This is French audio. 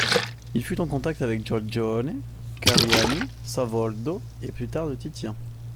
Il y fut en contact avec Giorgione, Cariani, Savoldo et plus tard le Titien.